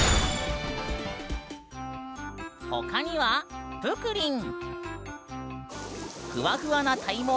他にはプクリン。